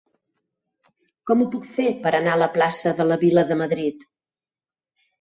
Com ho puc fer per anar a la plaça de la Vila de Madrid?